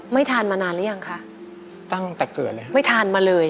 ไม่ทานมานานแล้วยังคะตั้งแต่เกิดเลยค่ะไม่ทานมาเลย